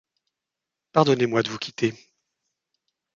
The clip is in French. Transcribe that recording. Pardonnez-moi de vous quitter…